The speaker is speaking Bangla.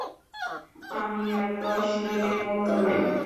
আমি আর দশ জনের মতো নাই।